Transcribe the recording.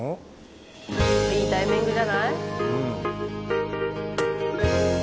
いいタイミングじゃない。